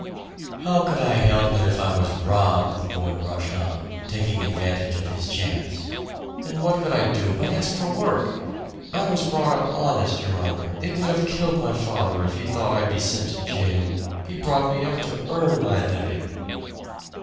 "How could I help it if I was robbed?" the boy rushed on, taking advantage of his chance. "And what could I do but ask for work? I was brought up honest, your honor. It would have killed my father if he'd thought I'd be sent to jail. He brought me up to earn my living."